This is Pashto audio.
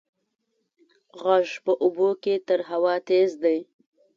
غږ په اوبو کې تر هوا تېز دی.